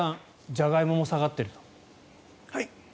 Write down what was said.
ジャガイモも下がっていると。